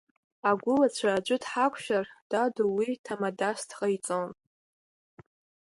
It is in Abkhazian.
Агәылацәа аӡәы дҳақәшәар даду уи ҭамадас дҟаиҵон…